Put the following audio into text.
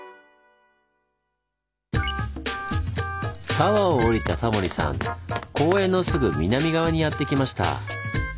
タワーをおりたタモリさん公園のすぐ南側にやって来ました。